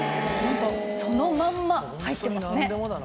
そのまんま入ってますね。